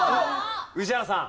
宇治原さん。